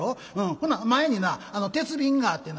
ほな前にな鉄瓶があってな